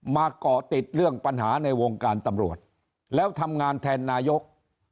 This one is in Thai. เกาะติดเรื่องปัญหาในวงการตำรวจแล้วทำงานแทนนายก